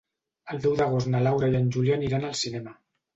El deu d'agost na Laura i en Julià aniran al cinema.